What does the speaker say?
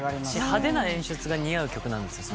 派手な演出が似合う曲なんですよ